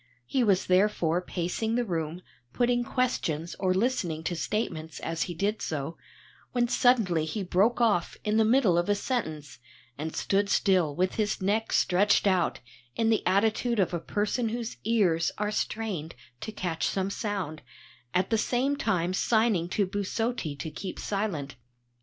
He was therefore pacing the room, putting questions or listening to statements as he did so, when suddenly he broke off in the middle of a sentence and stood still with his neck stretched out in the attitude of a person whose ears are strained to catch some sound, at the same time signing to Busotti to keep silent.